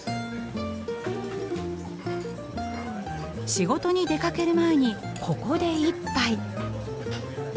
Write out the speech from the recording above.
仕事に出かける前にここで一杯。